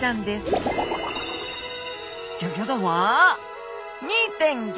ギョギョ度は２．５！